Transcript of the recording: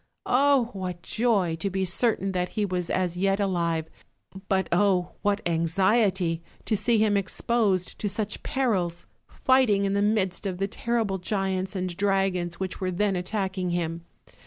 Oh! what joy, to be certain that he was yet alive; but oh! what anxiety, to see him exposed to such perils, fighting in the midst of the terrible giants and dragons which were then attacking him.